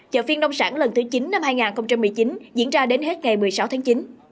chợ phiên nông sản lần thứ chín năm hai nghìn một mươi chín diễn ra đến hết ngày một mươi sáu tháng chín